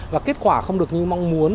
và kết quả không được như mong muốn